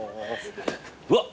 うわっ。